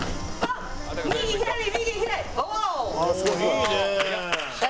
いいね。